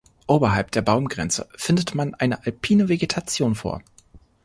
Oberhalb der Baumgrenze findet man eine alpine Vegetation vor.